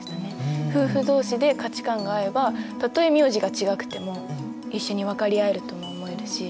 夫婦同士で価値観が合えばたとえ名字が違くても一緒に分かり合えるとも思えるし。